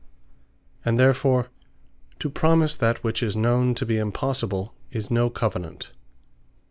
And therefore, to promise that which is known to be Impossible, is no Covenant.